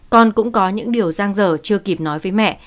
con cũng có những điều giang dở chưa kịp nói với mẹ